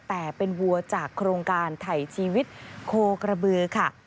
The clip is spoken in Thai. แต่เป็นวัวจากโครงการไถ่ชีวิตโคกระบือค่ะ